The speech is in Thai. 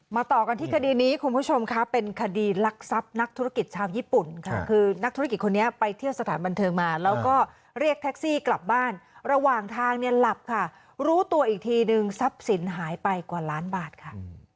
ต่อกันที่คดีนี้คุณผู้ชมค่ะเป็นคดีลักทรัพย์นักธุรกิจชาวญี่ปุ่นค่ะคือนักธุรกิจคนนี้ไปเที่ยวสถานบันเทิงมาแล้วก็เรียกแท็กซี่กลับบ้านระหว่างทางเนี่ยหลับค่ะรู้ตัวอีกทีนึงทรัพย์สินหายไปกว่าล้านบาทค่ะ